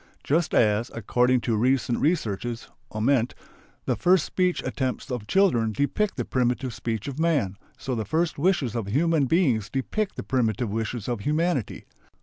Just as, according to recent researches (Ament), the first speech attempts of children depict the primitive speech of man, so the first wishes of human beings depict the primitive wishes of humanity.